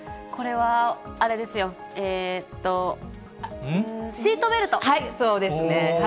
これはあれですよ、えーと、はい、そうですね。